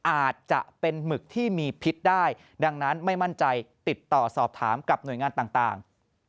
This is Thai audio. อาจจะเป็นหมึกที่มีพิษได้ดังนั้นไม่มั่นใจติดต่อสอบถามกับหน่วยงานต่าง